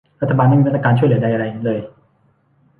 รัฐบาลไม่มีมาตรการช่วยเหลือใดใดเลย